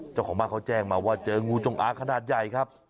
เจ้าของบ้านเขาแจ้งมาว่าเจองูจงอางขนาดใหญ่ครับ